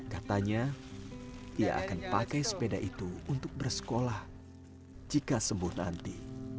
katanya ia akan pakai sepeda itu untuk bersekolah jika sembuh nanti